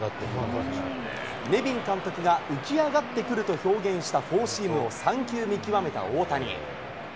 ネビン監督が浮き上がってくると表現したフォーシームを３球見極めた大谷。